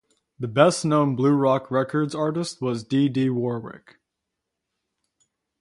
The best known Blue Rock Records artist was Dee Dee Warwick.